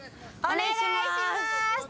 お願いします